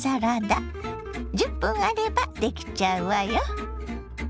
１０分あればできちゃうわよ。